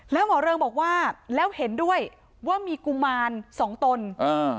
แล้วหมอเริงบอกว่าแล้วเห็นด้วยว่ามีกุมารสองตนอ่า